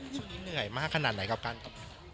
ช่วงนี้เหนื่อยมากขนาดไหนกับการ